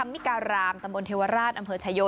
มิการามตำบลเทวราชอำเภอชายโย